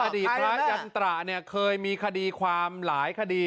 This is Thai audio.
อดีตพระยันตระเนี่ยเคยมีคดีความหลายคดี